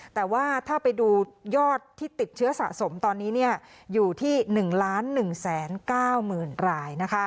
แต่ว่าถ้าไปดูยอดที่ติดเชื้อสะสมตอนนี้อยู่ที่๑๑๙๐๐๐ราย